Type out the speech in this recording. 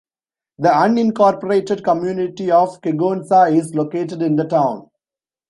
The unincorporated community of Kegonsa is located in the town.